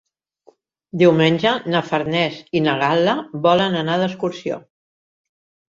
Diumenge na Farners i na Gal·la volen anar d'excursió.